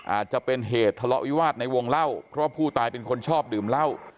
อาจจะเป็นเหตุทะเลาะวิวาสในวงเล่าเพราะผู้ตายเป็นคนชอบดื่มเหล้า